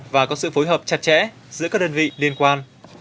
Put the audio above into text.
và có sự phối hợp chặt chẽ giữa các đơn vị liên quan